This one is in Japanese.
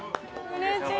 うれしい！